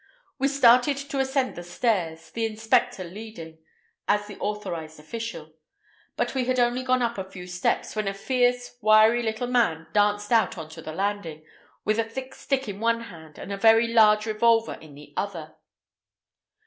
We started to ascend the stairs, the inspector leading, as the authorized official; but we had only gone up a few steps, when a fierce, wiry little man danced out on to the landing, with a thick stick in one hand and a very large revolver in the other.